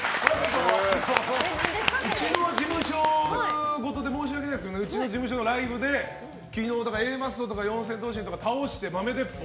うちの事務所ごとで申し訳ないんですけどうちの事務所のライブで昨日、Ａマッソとか四千頭身とか倒して、豆鉄砲。